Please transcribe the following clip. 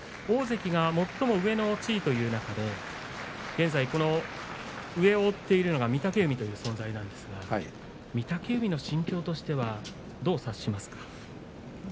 大関が最も上の地位という中で現在、この上を追っているのが御嶽海という存在なんですが御嶽海の心境としてはどう察しますか？